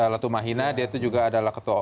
latumahina dia itu juga adalah ketua